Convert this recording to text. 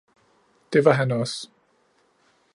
Det var han også.